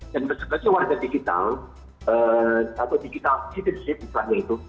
dan bersebetulnya warga digital atau digital citizenship misalnya itu